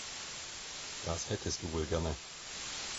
Das hättest du wohl gerne.